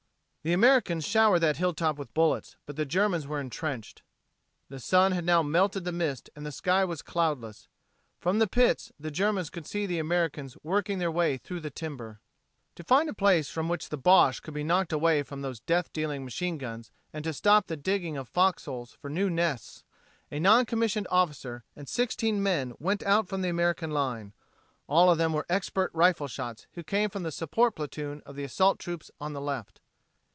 The Americans showered that hill top with bullets, but the Germans were entrenched. The sun had now melted the mist and the sky was cloudless. From the pits the Germans could see the Americans working their way through the timber. To find a place from which the Boche could be knocked away from those death dealing machine guns and to stop the digging of "fox holes" for new nests, a non commissioned officer and sixteen men went out from the American line. All of them were expert rifle shots who came from the support platoon of the assault troops on the left.